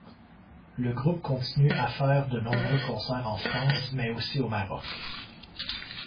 Le groupe continue à faire de nombreux concerts en France mais aussi au Maroc.